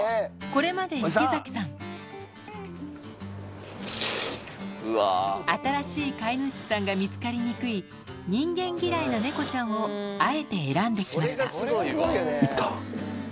これまで池崎さん新しい飼い主さんが見つかりにくい人間嫌いな猫ちゃんをあえて選んで来ました痛。